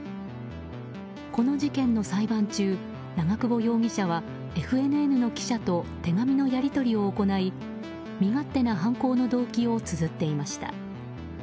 この事件の裁判中長久保容疑者はＦＮＮの記者と手紙のやり取りを行い身勝手な犯行の動機をつづっていました。